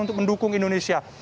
untuk mendukung indonesia